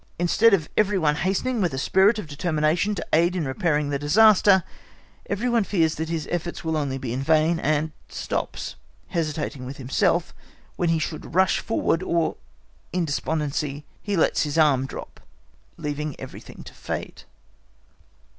Instead of every one hastening with a spirit of determination to aid in repairing the disaster, every one fears that his efforts will only be in vain, and stops, hesitating with himself, when he should rush forward; or in despondency he lets his arm drop, leaving everything to fate.